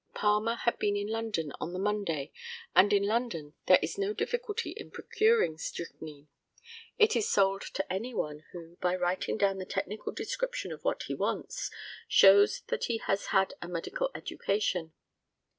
Palmer had been to London on the Monday, and in London there is no difficulty in procuring strychnine. It is sold to any one who, by writing down the technical description of what he wants, shows that he has had a medical education.